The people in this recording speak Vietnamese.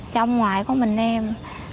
trong ngoài có mình em